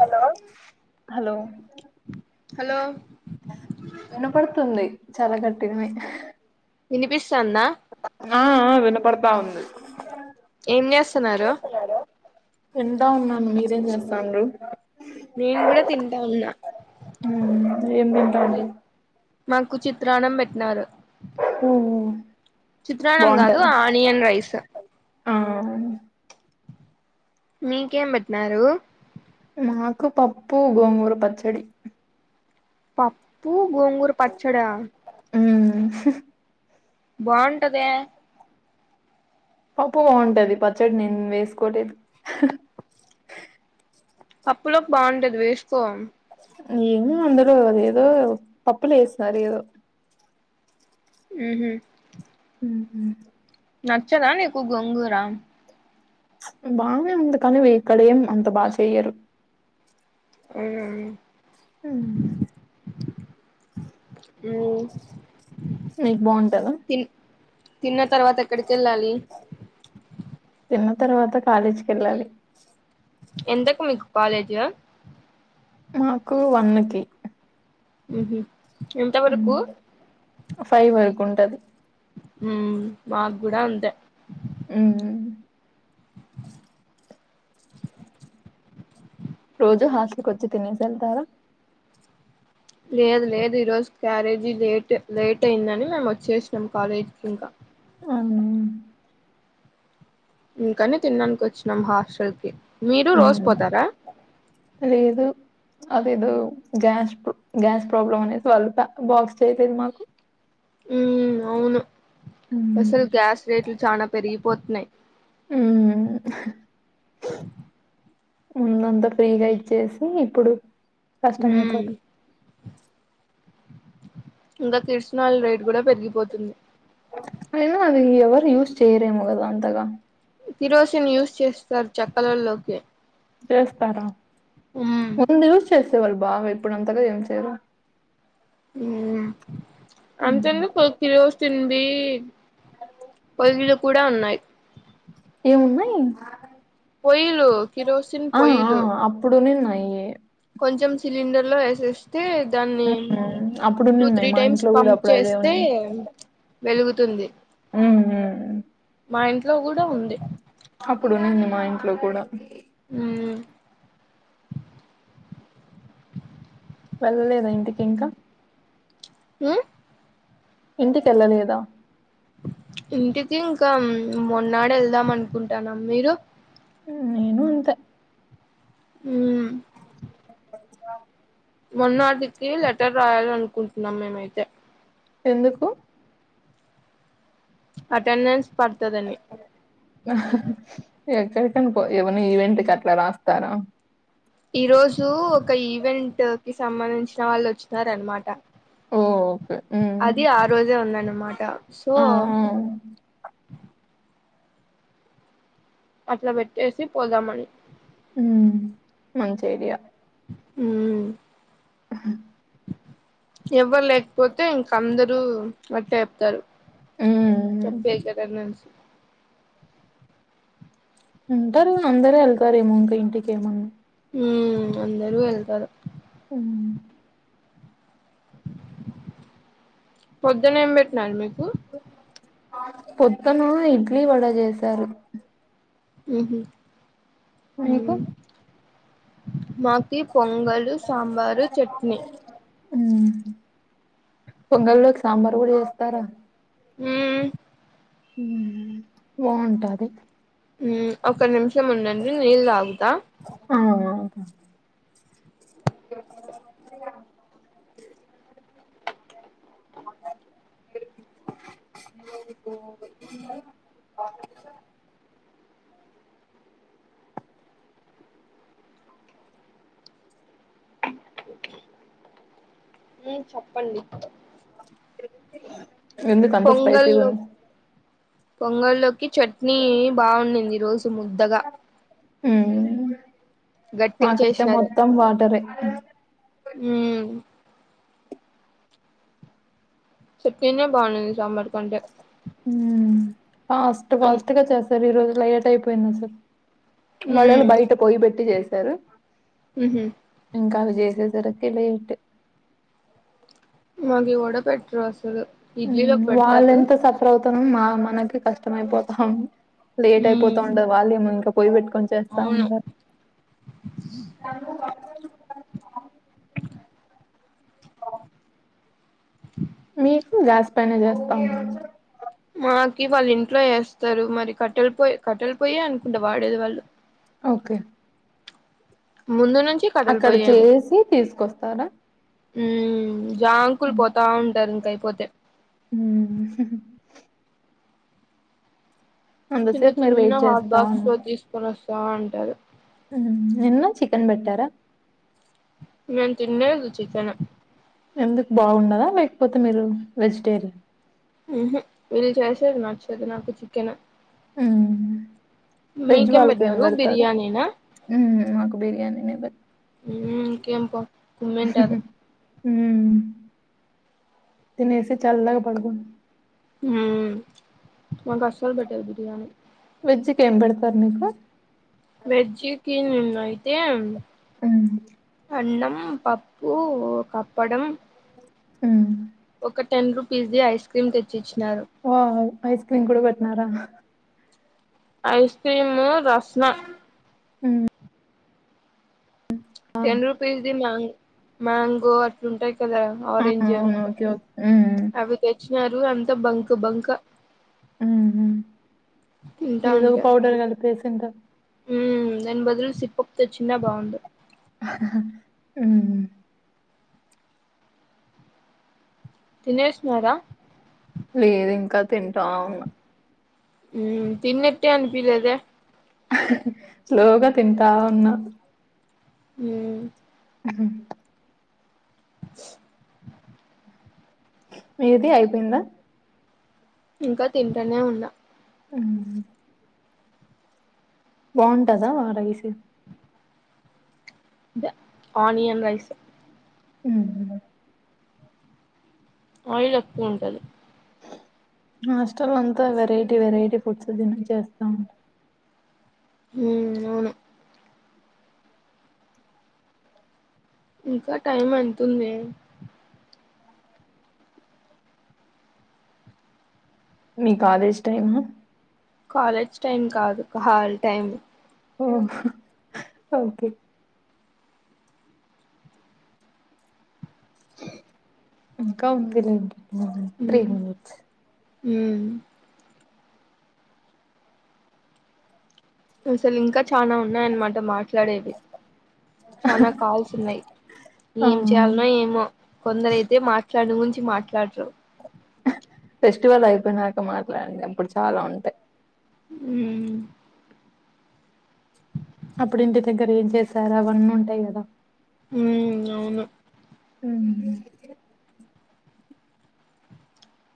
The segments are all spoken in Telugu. హలో హలో హలో వినపడుతుంది చాలా గట్టి గానే వినిపిస్తోందా ఆ విన్నపడతా ఉంది ఏం చేస్తన్నారు ఎంట ఉన్నాను మీరేం చేస్తను నేను కూడా తింటా ఉన్నా ఉమ్ ఏం తింటాది మాకు చిత్రాన్నం పెట్టినారు హ చిత్రాన్నం కాదు ఆనియన్ రైస్ ఆ మీకేం పెట్టినరూ మాకు పప్పు గోంగూర పచ్చడి పప్పు గోంగూరు పచ్చడా ఉమ్ బాగుంటదే పప్పు బాగుంటది పచ్చడి నేను వేసుకోలేదు పప్పులోకి బాగుంటది వేసుకో ఏమో అందరు ఏదో పప్పులు వేసినారు ఏదో ఆహ ఉ నచ్చదా నీకు గోంగూర బానే ఉంది కానీ ఇక్కడ ఏం అంత బా చెయ్యరు ఆ హ హు నీకు బాగుంటద తిన్న తర్వాత ఎక్కడికి వెళ్ళాలి తిన్న తర్వాత కాలేజ్కి వెళ్ళాలి ఎంతకు మీకు కాలేజ్ మాకు వన్నకి హ అ ఫైవ్ వరకు ఉంట ఉ మాకు కూడ అంతే ఉ రోజు హాస్టల్ వచ్చి తినేసి వెళ్తారా లేదు లేదు ఈరోజు క్యారేజీ లేట్ లేట్ అయిందని మేము వచ్చేసినాం కాలేజీకి ఇంకా అవును ఇంకానే తినడానికి వచ్చినాం హాస్టల్ కి మీరు రోజు ఉమ్, పోతార లేదు అదేదో గ్యాస్ గ్యాస్ ప్రాబ్లమ్ అనేసి వాళ్ళు బాక్స్ చేసది మాకు ఉ అవును ఉమ్, అసలు గ్యాస్ రేట్లు చాల పెరిగిపోతున్నాయి ఉమ్, ముందంతా ఫ్రీగా ఇచ్చేసి ఇప్పుడు కష్టము అయిపో ఉమ్ ఇంకా కీర్సనాలు రేట్ కూడా పెరిగిపోతుంది అయినా అది ఎవరు యూస్ చేయరేమో కదా అంతగా [unintelligible] చేస్తారు చక్కలలోకి చేస్తార ఉమ్ ముందు యూస్ చేసేవాళ్ళు బాగ ఇప్పుడుంతగా ఏం చేయరు ఉమ్. అంతెందుకొ కిరోసిన్ దీ పొయ్యిలు కూడ ఉన్నయ్ ఏవున్నయ్ పోయ్యిలు కిరోసిన్ పొయ్లు అయ్యే కొంచెం సిలిండర్లో ఏసేస్ తే దాన్నీ హ్మ్. టూ త్రీ అప్పుడున్నిన్నాయి మా టైమ్స్ ఇంట్లో గూడా పంప్ అప్పుడు అదే చేస్తే వెలుగు ఊ మా ఇంట్లో కూడా ఉంది అప్పుడు మా ఇంట్లో కూడ ఊ వెళ్ళలేదా ఇంటికి ఇంక హు ఇంటికెళ్ళలేదా ఇంటికీ ఇంక మొన్నాడెళ్దాం అనుకుంటనా మీరు నేను అంతె ఊ బస్టాప్ మొన్నాటికి, లెటర్ రాయాలనుకుంటున్నాం. మేమైతె ఎందుకు? అటెండెన్స్. పడుతదని అ హ హ ఎక్కడికన్ పొ, ఏవన్న ఈవెంట్కి అట్ల రాస్తారా. ఈ రోజూ, ఒక ఈవెంట్ సంబంధించిన వాళ్లొ చ్చినారన్మాట. ఓహ్! ఓకే. హ్మ్. అది, ఆ రోజే ఉన్నాను. మాట సో ఆ! ఆ! అట్ల పెట్టేసి పొదామని. ఊ, మంచి ఐడియా. ఊమ్ అ హ ఎవ్వర్ లేక్పోతే, ఇంక అందరూ అట్టే చెప్తారు. హ్మ్. చెప్పే, కద నన్స్ ఉంటరూ. అందరూ ఎల్తారేమో, ఇంక ఇంటికి ఏమన్న. ఊమ్, అందరూ వెళ్తారు. ఉమ్ పొద్దునేం, పెట్నార్ మీకు. పొద్దునా, ఇడ్లీ వడ చేసారు. ఉహు, మీకు? మ్ మాకి పొంగలు, సాంబారు, చట్నీ ఊ పొంగల్ ల్లోకి, సాంబార్ గూడ చేస్తార. మ్ మ్ ఊ, బాంగుటాది. ఊ ఒక్క నిమిషం ఉండండి, నీళ్ళు తాగుతా. ఉ [inaudible] [inaudible] నువ్వే పొ [inaudible] మ్ చెప్పండి. ఎందుకంత స్పైసీ గా పొంగల్లో ఉంది. పొంగల్లోకి చట్నీ బాన్నింది. ఈ రోజు ముద్దగా. గట్టిగా మాకు, అయితే చేసినారు మొత్తం వాటరే. ఉమ్ చెట్నీ నే బాగుడన్ది. సాబర్ ఉమ్ ఫాస్ట్ అన్ ఫాస్టగా చేస్తారు, ఈ రోజు లేట్ అయిపోయింది. అసలే వాళని బయట పొయి పెట్టి చేశారు మ్ హహ ఇంకా, అవి చేసేసరికి లెటె. మాకి వడ పెట్టరు. అసలు ఇడ్లీలో వాళ్ళు పెడతారు. ఎంత సఫర్ మా మనకి కష్టం అయిపోతాం. లేట్ అయిపోతా ఉమ్ ఉండది. వాళ్ళుమ ఇంకా పోయి పెట్టుకొని, చేస్తా అవును ఉంటారు. అ మీకు గ్యాస్ పైన చేస్తా. ఇవి వాళ్ళ ఇంట్లో ఎస్తారు. మరి కట్టలుపో కట్టలి పోయ అనుకుంటే వాడేది వాళ్ళు. ఓకే ముందును అక్కడ చేసి తీసుకొస్తారా. ఉ, జాంకులు పోతా ఉంటరు. ఇంకా అయిపోతే. మ్, హ హ చిన్న అంతసేపు మీరు వెయిట్ చిన్న హాట్ చేస్తా బాక్స్ లో ఉన్నారు తీసుకుని వస్తా అంటారు నిన్న చికెన్ బెటరా నిన్ తేన్లేదు చికెన్ ఎందుకు బాగుండదా లేకపోతే మీరు వెజిటేరియన్ హ వీళ్ళు చేసేది నచ్చది నాకు చికెన్ ఉమ్ వెజ్ మీకేం వాళ్ళకేమి పెట్టినారు పెడతారు బిర్యానీనా మాకు బిర్యానీనే పెడత ఇంకేం ప కుమ్మెంటారు తినసి చల్ల బడగు హ మ అసలు బెట్టది బిర్యానీ వెజ్ కి ఏం బడతారు మీకు వెజ్జకి అయితే ఆ అన్నం పప్పు అప్పడం మ్మ్ ఒక టెన్ రూపీస్ ది ఐస్ క్రీమ్ తెచ్చ ఓ ఐస్ క్రీమ్ కూడా పెట్టినారా ice cream Rasna home ten రూపీస్ది మ మ్యాంగో అట్లా ఉంటాయి కదా కదా ఆరెంజ్ అవును ఓకే ఓకే ఉమ్ అవి తెచ్చినారు అంత బంక్ బంక ఏదో ఒక పౌడర్ కలిపేసింత ఉ దని బదులు సిప్పపుతో చిన్న బాగుంది ఉ తినేసినారా లేదు ఇంకా తింటాం అవును తిన్నట్టే అనీపిలేద స్లోగా తింటా ఉన్నా హ ఉహ మీది అయిపోయిందా ఇంకా తింటనే ఉన్నా ఉమ్ బాగుంటదా రైస్ ఇద ఆనియన్ రైస్ ఉహు ఆయిల్ ఎక్కువ ఉంటది హస్టల్ అంతా వెరైటీ వెరైటీ ఫుడ్స్ తినిచేస్తారు ఉ అవును ఇంకా టైం ఎతుంది [inaudible] మీ కాలేజ్ టైమ్ కాలేజ్ టైమ్ కాదు కాల్ టైం ఓ ఓకే ఇంకా ఉంది లే త్రీ మనిట్స్ ఉ అసలు ఇంకా చనా ఉన్నాయన్నమాట మాట్లాడేవి చనా కాల్స్ ఉన్నాయి ఆ ఏం చేయాలన ఏమో కొందరైతే మాక దాని గురించి మాట్లాడరు ఫెస్టివల్ అయిపోయినాక మాట్లాడండి అప్పుడు చాలా ఉంటాయి హు అప్పుడు ఇంటి దగ్గర ఏం చేసారు అవన్నీ ఉంటాయి కదా ఉ అవును ఉహు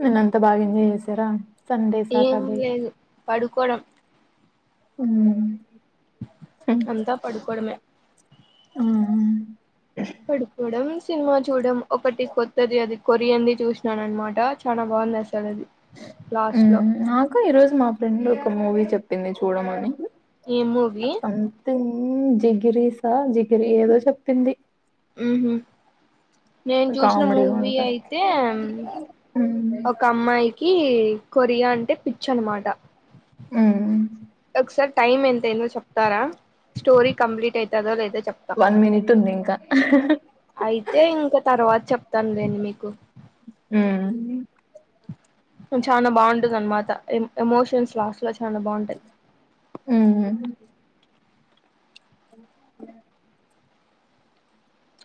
నిన్న అంత బాగా ఎంజాయ్ చేసారా సండే ఏం సాటర్డే లేదు పడుకోవడం హు అంతా పడుకోవడమే ఆహ పడుకోడం సినిమా చూడడం ఒకటి కొత్తది అది కొరియన్ అంది చూసినాను అన్నమాట చానా బాగుంది అస హు నాకు ఈరోజు మా ఫ్రెండ్ ఒక మూవీ చెప్పింది చూడమని ఏం మూవీ హు జిగిరీసా జిగిరి ఏదో చెప్పింది ఉహు నేను చూసిన కామెడీగా మూవీ ఉంటది అయితే ఒక అమ్మాయికి కొరియా అంటే పిచ్చి అన్నమాట ఊ ఉ ఒకసారి టైమ్ ఎంత అయ్యిందో చెప్తారా స్టోరీ కంప్లీట్ అయితదో లేదా చెప్తా వన్ మినిట్ ఉంది ఇంకా అయితే ఇంకా తర్వాత చెప్తాను లేండి మీకు ఊ చానా బాగుంటంద అన్నమాట ఎమోషన్స్ లాస్ట్ లో చానా బాగుంటాయి ఉ హు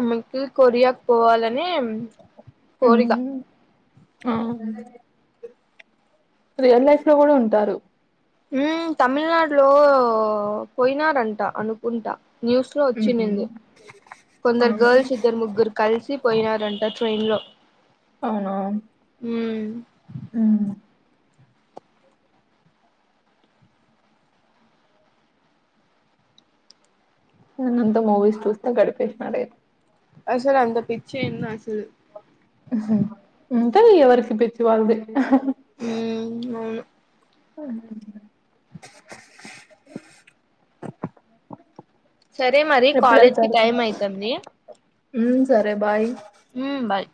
అమెకి కొరియాకు పోవాలని హు కోరిక ఆ రియల్ లైఫ్ లో కూడా ఉంటారు హు తమిళనాడులో పోయినారంట అనుకుంటా న్యూస్ లో వచ్చి ఉమ్ ఉండిది ఆ కొందరు గర్ల్స్ ఇద్దరు ముగ్గురు కలిసి పోయినారంట ట్రైన్లో అవునా ఉహు నిన్న అంత మూవీస్ చూస్తా గడిపేసిన లే అసలు అంత పిచ్చి ఏందో అసలు ఎవరికి పిచ్చి వాళ్లదే మ్మ్ అవును [inaudible] సరే మరి కాలేజ్ కి టైం ఐతాంది హు సరే బాయ్ ఉ బాయ్